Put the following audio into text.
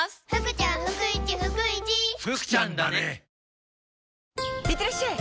ニトリいってらっしゃい！